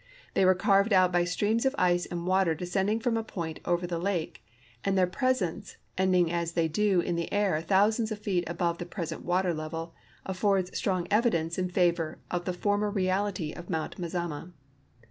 They were carved out by streams of ice and water descending from a point over the hike, and their presence, ending as they do in the air thousands of feet above the present water level, affords strong evidence in favor of the former reality of Mount INIazama.